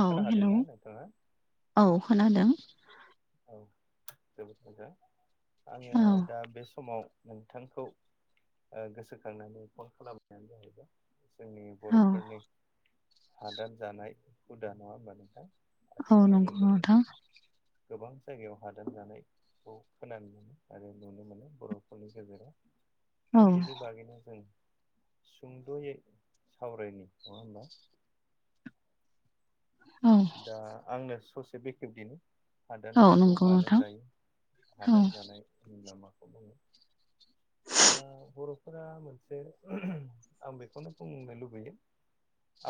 औ हेल' खोनाहादोंना नोंथाङा औ खोनादों। औ जोबोद मोजां आङो औ दा बे समाव नोंथांखौ ओ गोसोखांनानै फन खालामनायानो जाहैबाय जोंनि औ बर'फोरनि हादर जानाय हुदा नङा होनबा नोंथां। औ नंगौ आथिखालावबो जों नोंथां गोबां जायगायाव हादान जानाय। खौ खोनानो मोनो आरो नुनो मोनो बर'फोरनि गेजेराव दा औ बेनि बागैनो जों सुंद'यै सावरायनि नङा होमबा औ दा आंनो ससे बेखेबदिनि औ हादानखौ नंगौ मानो नोंथां जायो? औ हादान जानाय होनबा माखौ बुङो? दा बर'फोरा मोनसे आं बेखौनो बुंनो लुबैयो।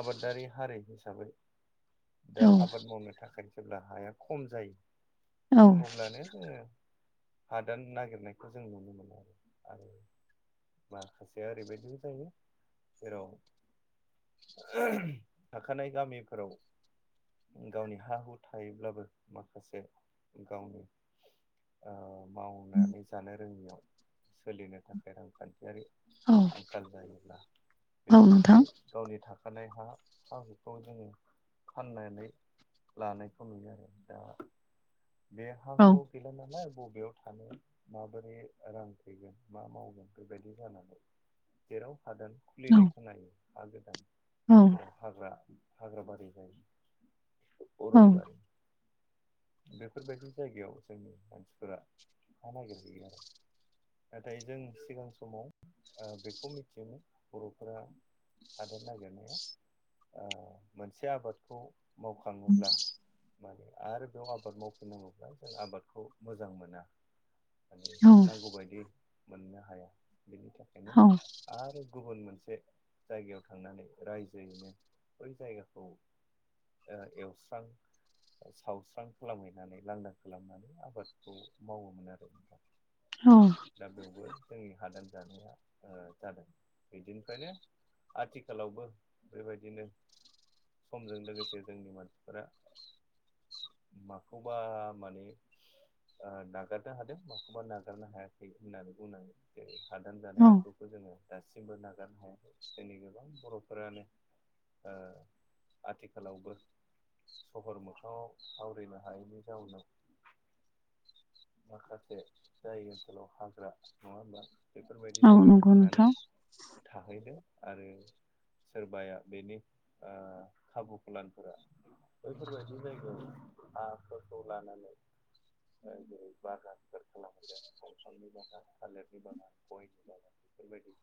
आबादारि हारि हिसाबै दा औ आबाद मावनो थाखाय जेब्ला हाया खम जायो। औ अब्लानो जोङो हादान नागिरनायखौ जों नुनो मोनो आरो माखासेया ओरैबायदिबो जायो। जेराव थाखानाय गामिफोराव गावनि हा हु थायोब्लाबो माखासे गावनि ओ मावनानै जानो रोङियाव सोलिनो थाखाय रांखान्थियारि औ आंखाल जायोब्ला औ बेनि नोंथां थाखाय गावनि थाखानाय हा हा हुखौ जोङो फाननानै लानायखौ नुयो। आरो दा बे हा औ हुआव गैला नालाय बबेयाव थानो। माबोरै रां फैगोन? मा मावगोन बेबायदि जानानै जेराव हादान औ खुलिनाय खोनायो हा गोदान औ जेराव हाग्रा हाग्राबारि जायो। बे औ अरनबारि बेफोरबायदि जायगायाव जोंनि मानसिफोरा हा नागिरहैयो आरो नाथाय जों सिगां समाव बेखौ ओ मिथियोमोन बर'फोरा थादेर नागिरनाया ओ मोनसे आबादखौ मावखाङोब्ला माने आरो बेयाव आबाद मावफिननांगौब्ला जों आबादखौ मोजां मोना माने औ नांगौबायदियै मोननो हाया। बेनि थाखायनो औ आरो गुबुन मोनसे जायगायाव थांनानै रायजोयैनो बै जायगाखौ ओ एवस्रां सावस्रां खालामहैनानै लांदां खालामनानै आबादखौ मावोमोन आरो दा ह' दा बेवबो जोंनि हादान जानाया ओ जादों। बिदिनिफ्रायनो आथिखालावबो बेबायदिनो समजों लोगोसे जोंनि मानसिफोरा माखौबा माने ओ नागारनो हादों माखौबा नागारनो हायाखै। होननानै बुंनानै हादान जानाय आखुखौ जोङो दासिमबो नागारनो हायाखै जोंनि गोबां बर'फोरानो ओ आथिखालावबो सहर मोखाङाव थावरिनो हायैनि जाउनाव माखासे जाय ओनसोलाव हाग्रा नङा होमबा? बेफोरबायदि औ जायगायाव नंगौ थांनानै नोंथां थाहैदो आरो। सोरबाया बेनि ओ खाबुखौलानफोरा बैफोरबायदि जायगायाव हाफोरखौ लानानै ओ जेरै बागानफोर खालामगोन। दंफांनि बागान, थालिरनि बागान, गयनि बागान बेफोरबायदि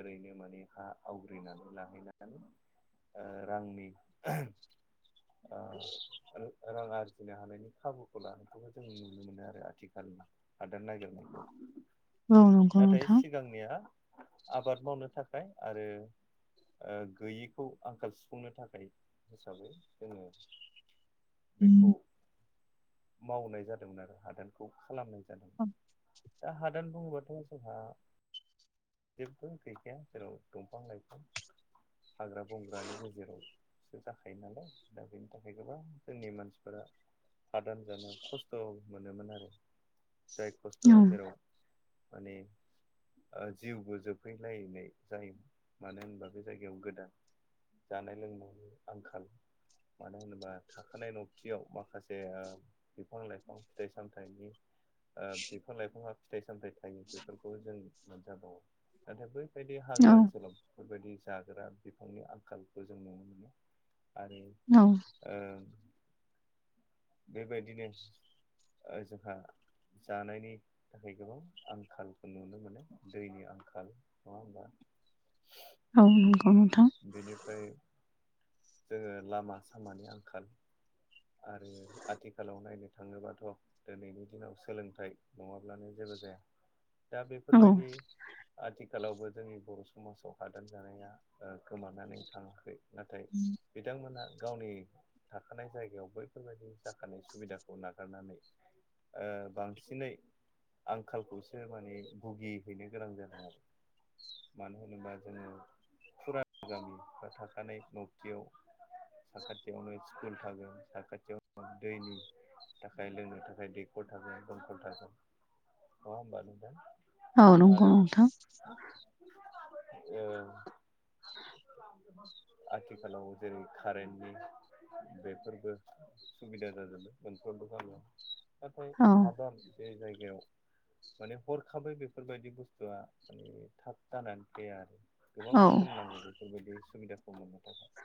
ओरैनो माने हा आवग्रिनानै लाहैनानै ओ रांनि ओ रां आरजिनो हानायनि खाबुखौ लानायखौबो जों नुनो मोनो आरो। आथिखालाव हादान नागिरनायखौ औ नंगौ नाथाय नोंथां सि सिगांनिया आबाद मावनो थाखाय आरो ओ गैयिखौ आंखाल सुफुंनो थाखाय हिसाबै जोङो बेखौ मावनाय जादोंमोन आरो हादानखौ खालामनाय दा हादान बुङोबाथ' जोंहा जेबबो गैखाया जेराव दंफां-लाइफां हाग्रा-बंग्रानि गेजेराव जाखायो नालाय दा बेनि थाखाय गोबां जोंनि मानसिफोरा हादान जानो खस्थ' मोनोमोन आरो जाय औ औ खस्थ'आ जेराव माने ओ जिउबो जोबहैलायनाय जायोमोन मानो होनबा बे जायगायाव गोदान जानाय-लोंनायनि आंखाल मानो होनोबा थाखानाय नबथियाव माखासे ओ बिफां-लाइफां फिथाइ-साम थाइनि ओ बिफां-लाइफाङा फिथाइ-सामथाइ थायो बेफोरखौ जों मोनजा बावो, नाथाय बै फोरबायदि हाग्रा औ ओनसोलाव बेफोरबायदि जाग्रा बिफांनि आंखालखौ जों नुनो मोनो आरो औ ओ बेबायदिनो ओ जोंहा जानायनि थाखाय गोबां आंखालखौ नुनो मोनो दैनि आंखाल नङा होमबा? औ नंगौ नोंथां बेनिफ्राय जोङो लामा-सामानि आंखाल आरो आथिखालाव नायनो थाङोबाथ' दोनैनि दिनाव सोलोंथाइ नङाब्लानो जेबो जाया दा औ बेफोरबायदि आथिखालावबो जोंनि बर' समाजाव हादान जानाया ओ गोमानानै थाङाखै नाथाय बिथांमोनहा गावनि थाखानाय जाय जायगायाव बैफोरबायदि जाखानाय सुबिदाखौ नागारनानै ओ बांसिनै आंखालखौसो माने भुगि हैनो गोनां जानाय आरो मानो होनोबा जोङो फुराना गामि बा थाखानाय न'बथियाव साखाथियावनो स्कुल थागोन साखाथियाव दैनि थाखाय लोंनो थाखाय दैख'र थागोन, दमख'ल थागोन नङा होमबा नोंथां? औ नंगौ आरो नोंथां ओ आथिखालाव जेरै खारेन्टनि बेफोरबो सुबिदा जाजोबबाय मोनफ्रोमबो गामियाव नाथाय औ हादान बे जायगायाव माने हरखाबै बेफोरबायदि बुस्थुआ माने थाब जानानै फैया आरो औ गोबाव सम नांगौ बेफोरबायदि सुबिदाखौ मोननो थाखाय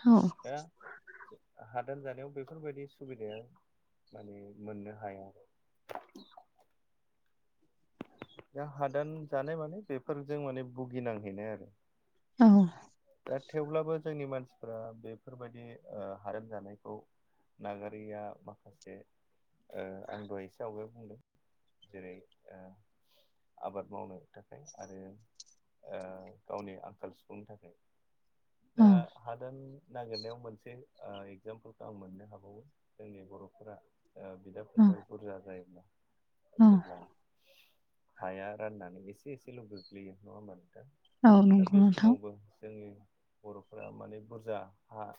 हौ हो हादान जानायाव बैफोरबायदि सुबिदाया माने मोननो हाया आरो दा हादान जानाय माने बेफोरजों माने भुगिनांहैनाय आरो औ दा थेवब्लाबो जोंनि मानसिफोरा बेफोरबायदि ओ हादान जानायखौ नागारिया माखासे ओ आं दहाय इसे आवगायाव बुंदों जेरै ओ आबाद मावनो थाखाय आरो ओ गावनि आंखाल सफुंनो थाखाय दा हादान नागिरनायाव मोनसे एगजामपोलखौ आं मोननो हाबावो जोंनि बर'फोरा बिदा फंबाय बुरजा जायोब्ला औ जेब्ला हाया राननानै एसे एसेल' गोग्लैयो नङा होमबानो दा औ दा नंगौ बे नोंथां समावबो जोंनि बर'फोरा माने बुरजा हा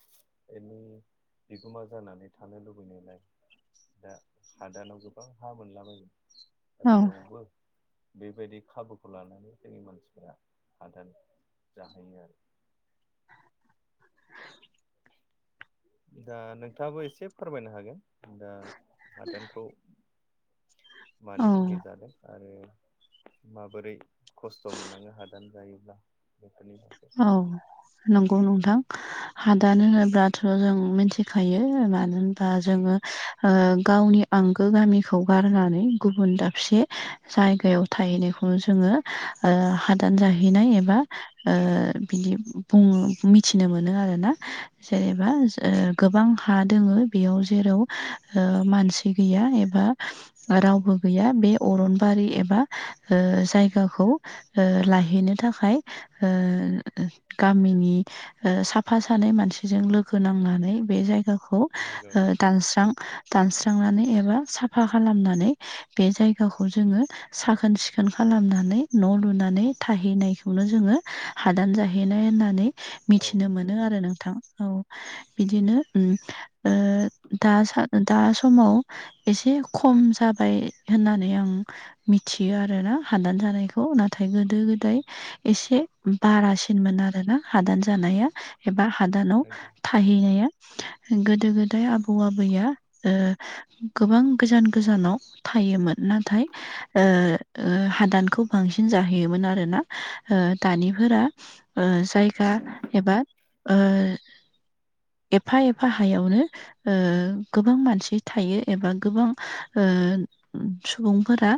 एनि बिगोमा जानानै थानो लुबैनायलाय दा हादानाव गोबां हा मोनला बायो दा औ बेयावबो बेबायदि खाबुखौ लानानै जोंनि मानसिफ हादान जाहोयो आरो दा नोंथाङाबो एसे फोरमायनो हागोन दा हादानखौ मानि औ थाखाय जादों आरो माबोरै खस्थ' मोननङो हादान जायोब्ला बेफोरनि थाखाय औ नंगौ नोंथां हादान होनोब्लाथ' जों मिथिखायो मानो होनबा जोङो गावनि आंगो गामिखौ गारनानै गुबुन दाबसे जायगायाव थाहैनायखौ जोङो हादान जाहैनाय एबा बिदि बुङो मिथिनो मोनो आरोना जेनेबा गोबां हा दोङो बेयाव जेराव मानसि गैया एबा औ रावबो गैया बे अरनबारि एबा जायगाखौ लाायहैनो थाखाय गामिनि साफा सानै मानसिजों लोगो नांनानै बे जायगाखौ नंगौ दानस्रां दानस्रांनानै एबा साफा खालामनानै बे जायगाखौ जोङो साखोन सिखोन खालामनानै न' लुनानै थाहैनायखौनो जोङो हादान जाहैनाय होननानै औ मिथिनो नंगौ मोनो आरो नोंथां औ बिदिनो दा समाव एसे खम जाबाय होननानै आं मिथियो आरोना हादान जानायखौ नाथाय गोदो गोदो गोदाय एसे बारासिनमोन आरो ना हादान जानाया एबा हादानाव नंगौ थाहैनाया गोदो गोदाय आबौ आबैया गोबां गोजान गोजानाव थायोमोन नाथाय हादानखौ बांसिन जाहोयोमोन आरोना दानिफोरा जायगा एबा एफा एफा हायावनो गोबां मानसि थायो एबा गोबां सुबुंफोरा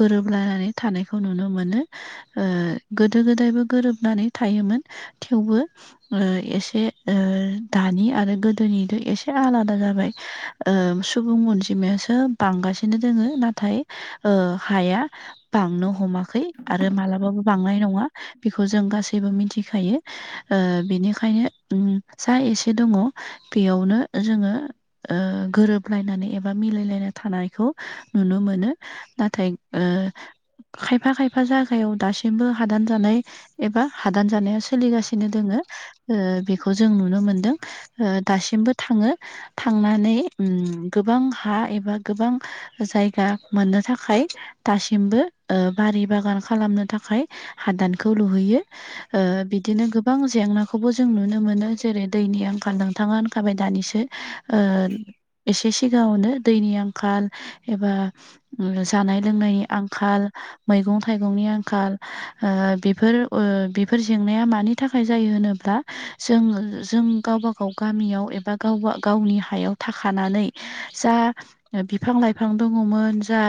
गोरोबलायनानै थानायखौ नुनो मोनो गोदो गोदायबो गोरोबनानै थायोमोन थेवबो एसे दानि आरो गोदोनिथ' एसे आलादा जाबाय सुबुं अनजिमायासो बांगासिनो दोङो नाथाय हाया बांनो हमाखै आरो मालाबाबो बांनाय नङा बेखौ जों गासैबो मिथिखायो बेनिखायनो जा एसे दङ बेयावनो जोङो गोरोबलायनानै एबा मिलायलायना थानायखौ नुनो मोनो नाथाय खायफा खायफा जायगायाव दासिमबो हादान एबा हादान जानाया सोलिगासिनो दंङो बेखौ जों नुनो मोनदों दासिमबो थांङो थांनानै उम गोबां हा एबा गोबां जायगा मोननो थाखाय दासिमबो बारि बागान खालामनो थाखाय हादानखौ लुहैयो बिदिनो गोबां जेंनाखौबो जों नुनो मोनो जेरै दैनि आंखाल नोंथांङा होनखाबाय दानिसो एसे सिगांङावनो दैनि आंखाल एबा जानाय लोंनायनि आंखाल मैगं थाइगंनि आंखाल बेफोर बेफोर जेंनाया मानि थाखाय जायो होनोब्ला जों जों गाव गााव गामियाव एबा गावा गावनि हायाव थाखानानै जा बिफां लाइफां दंङोमोन जा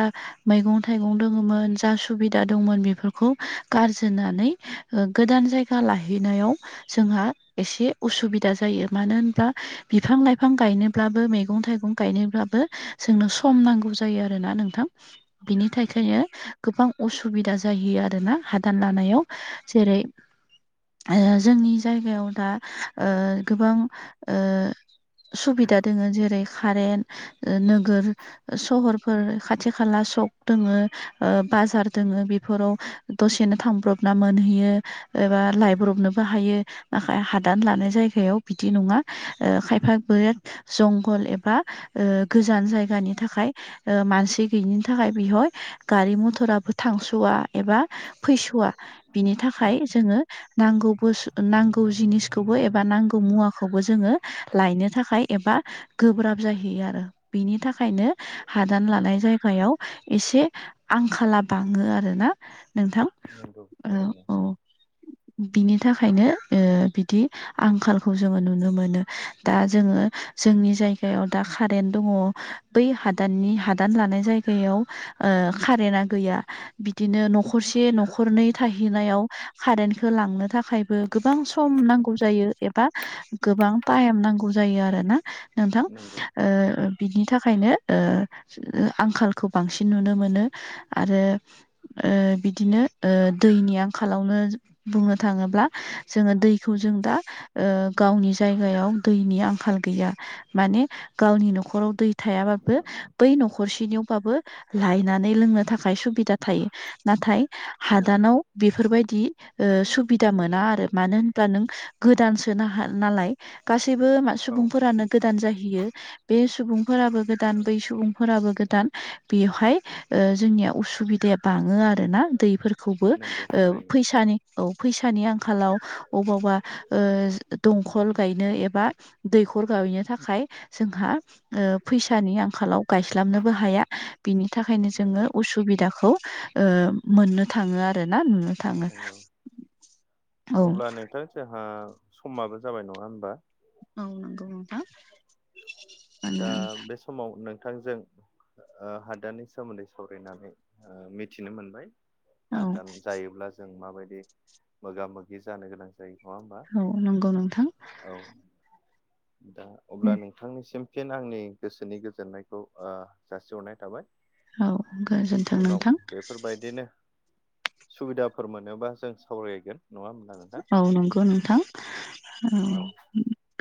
मैगं थाइगं दोङोमोन जा सुबिदा दंमोन बेफोरखौ गारजानै ओ गोदान जायगा लाहैनायाव जोंहा एसे उसुबिदा जायो मानो होनबा बिफां लाइफां गायनोब्लाबो मैगं थाइगं गायनोब्लाबो जोंनो सम नांगौ जायो आरोना नोंथां बिनि थाखायनो गोबां असुबिदा जायो आरोना हादान लानायाव जेरै ओ जोंनि जायगायाव दा ओ गोबां ओ सुबिदा दोंङो जेरै कारेन्ट नोगोर सहरफोर खाथि खाला सक दोंङो ओ बाजार दंङो बेफोराव दसेनो थांब्रबना मोनहैयो एबा लायब्रबनोबो हायो नाथाय हादान लानाय जायगायाव बिदि नंङा ओ खायफा जंगल एबा ओ गोजान जायगानि थाखाय ओ मानसि गैयिनि थाखाय बिहय गारि मथराबो थांस'वा एबा फैस'वा बिनि थाखाय जोङो नांगौ बस नांगौ जिनिसखौबो एबा नांगौ मुवाखौबो जोंङो लायनो थाखाय एबा गोब्राब जाहैयो आरो बिनि थाखायनो हादान लानाय जायगायाव एसे आंखाला बांङो आरोना नोंथां नंगौ औ थारैनो औ बिनि थाखायनो ओ बिदि आंखालखौ जोंङो नुनो मोनो दा जोंङो जोंनि जायगायाव दा कारेन्ट दंङ बै हादाननि हादान लानाय जायगायाव ओ कारेन्टा गैया बिदिनो न'खर न'खरसे न'खरनै थाहैनायाव कारेन्टखौ लांनो थाखायबो गोबां सम नांगौ जायो एबा गोबां [unintelligible] नांगौ जायो आर ना नोंथां नंगौ ओ बिनि थाखायनो ओ आंखालखौ बांसिन नुनो मोनो आरो ओ बिदिनो ओ दैनि आंखालावनो बुंनो थांङोब्ला जोंङो दैखौ जों दा ओ गावनि जायगायाव दैनि आंखाल गैया माने गावनि न'खराव दै थायाबाबो बै न'खरसेनियावबाबो लायनानै लोंनो थाखाय सुबिदा थायो नाथाय उम हादानाव बेफोरबायदि ओ सुबिदा मोना आरो मानो होन नों गोदानसोनो हा नालाय गासैबो औ सुबुंफोरानो गोदान जाहैयो बे सुबुंफोराबो गोदान बै सुबुंफोराबो गोदान बेवहाय ओ जोंनिया उसुबिदाया बाङो आर ना दैफोरखौबो नंगौ ओ थारैनो फैसानि औ फैसानि आंखालाव अबावबा ओ दंखल गायनो एबा दैखर गायहैनो थाखाय जोंहा फैसानि ओ आंखालाव गायस्लाबनोबो हाया बिनि थाखायनो जोङो नंगौ उसुबिदाखौ ओ मोननो थाङो आर नुनो थाङो नंगौ औ अब्ला नोंथोर जोंहा समाबो जाबाय नङा होमबा औ नंगौ नोंथां मानो दा बे समाव नोंथांजों ओ हादाननि सोमोन्दै सावरायनानै ओ मिथिनो मोनबाय औ हादान जायोब्ला जों माबायदि मोगा मोगि जानो गोनां जायो नङा होमबा औ नंगौ नोंथां औ दा अब्ला नोंथांनिसिम फिन आंनि गोसोनि गोजोननायखौ ओ जासिहरनाय थाबाय औ गोजोन्थों उनाव नोंथां बेफोरबायदिनो सुबिदाफोर मोनोबा जों सावरायगोन नङा [unintelligible] औ नंगौ नोंथां औ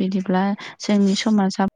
बिदिब्ला जोंनि बिदिब्ला समाजा